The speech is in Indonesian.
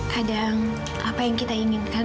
kadang apa yang kita inginkan